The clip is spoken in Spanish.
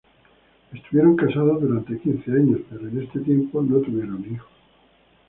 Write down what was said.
Estuvieron casados durante quince años, pero en este tiempo no tuvieron hijos.